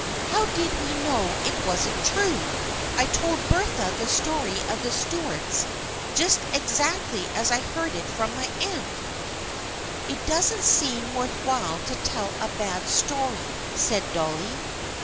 " How did we know it wasn't true ? I told Bertha the story of the Stuarts just exactly as I heard it from my aunt." " It doesn't seem worth while to tell a bad story," said Dolly.